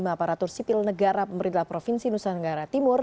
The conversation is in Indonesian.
satu ratus empat puluh lima aparatur sipil negara pemerintah provinsi nusantara timur